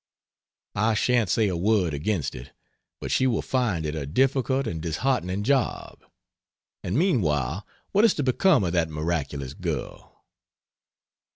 I shan't say a word against it, but she will find it a difficult and disheartening job, and meanwhile what is to become of that miraculous girl?